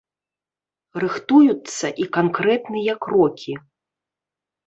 Рыхтуюцца і канкрэтныя крокі.